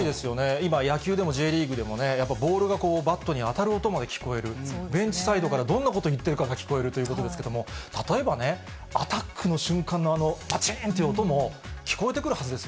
今、野球でもＪリーグでもね、やっぱりボールがバットに当たる音まで聞こえる、ベンチサイドからどんなこと言ってるかが聞こえるということですけれども、例えばね、アタックの瞬間のあのばちーんっていう音も聞こえてくるはずです